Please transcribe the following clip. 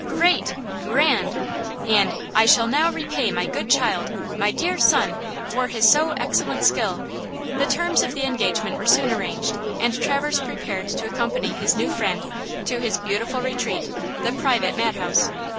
Great! Grand!" and "I shall now repay my good child! my dear son! for his so excellent skill!" The terms of the engagement were soon arranged, and Traverse prepared to accompany his new friend to his "beautiful retreat," the private madhouse.